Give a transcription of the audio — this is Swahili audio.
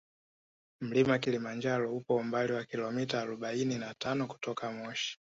Mlima kilimanjaro upo umbali wa kilometa arobaini na tano kutoka moshi